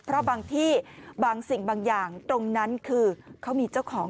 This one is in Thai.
เพราะบางที่บางสิ่งบางอย่างตรงนั้นคือเขามีเจ้าของ